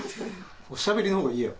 おしゃべりのほうがいいやろ。